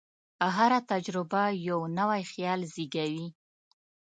هره تجربه یو نوی خیال زېږوي.